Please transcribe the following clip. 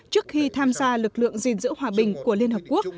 trước khi tham gia lực lượng gìn giữ hòa bình của liên hợp quốc